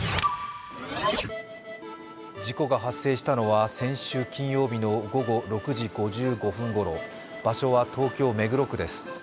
事故が発生したのは先週金曜日の６時５５分ごろ、場所は東京・目黒区です。